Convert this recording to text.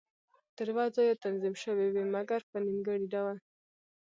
تر یوه ځایه تنظیم شوې وې، مګر په نیمګړي ډول.